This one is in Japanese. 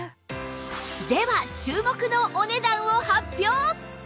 では注目のお値段を発表！